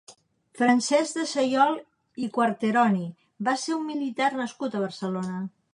Francesc de Sayol i Quarteroni va ser un militar nascut a Barcelona.